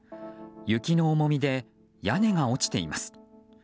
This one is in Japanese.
雪の重みで屋根が落ちています。